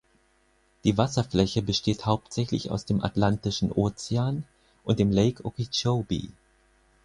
Die Wasserfläche besteht hauptsächlich aus dem Atlantischen Ozean und dem Lake Okeechobee.